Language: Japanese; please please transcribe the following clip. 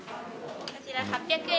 こちら８００円